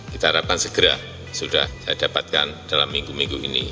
kita harapkan segera sudah saya dapatkan dalam minggu minggu ini